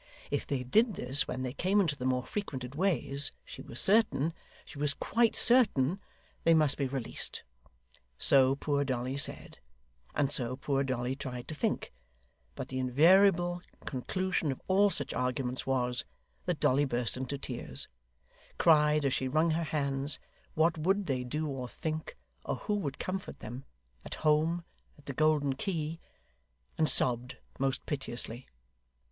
If they did this when they came into the more frequented ways, she was certain she was quite certain they must be released. So poor Dolly said, and so poor Dolly tried to think; but the invariable conclusion of all such arguments was, that Dolly burst into tears; cried, as she wrung her hands, what would they do or think, or who would comfort them, at home, at the Golden Key; and sobbed most piteously.